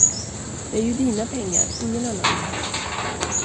Det är ju dina pengar, ingen annans!